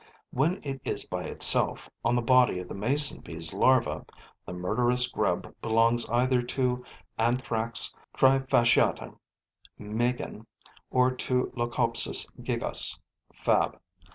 When it is by itself on the body of the mason bee's larva, the murderous grub belongs either to Anthrax trifasciata, MEIGEN, or to Leucospis gigas, FAB.